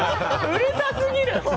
うるさすぎる！